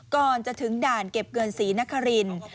ก่อนจะถึงด่านเก็บเงินศรีนครินทร์